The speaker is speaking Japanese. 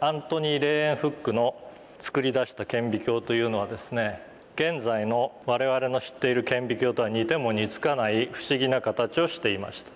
アントニ・レーウェンフックの作り出した顕微鏡というのは現在の我々の知っている顕微鏡とは似ても似つかない不思議な形をしていました。